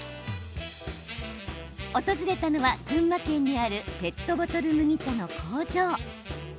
訪れたのは群馬県にあるペットボトル麦茶の工場。